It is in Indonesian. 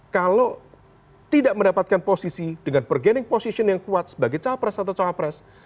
kalau tidak mendapatkan posisi dengan bergening position yang kuat sebagai capres atau cawapres